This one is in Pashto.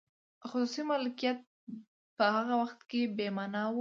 خصوصي مالکیت په هغه وخت کې بې مانا و.